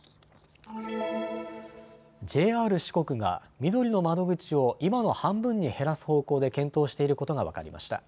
ＪＲ四国が、みどりの窓口を今の半分に減らす方向で検討していることが分かりました。